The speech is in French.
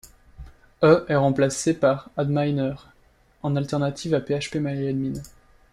Eest remplacé par Adminer en alternative à phpMyAdmin.